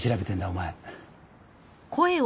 お前。